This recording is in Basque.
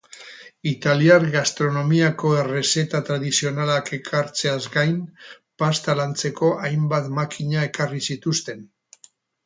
Italiar gastronomiako errezeta tradizionalak ekartzeaz gain, pasta lantzeko hainbat makina ekarri zituzten.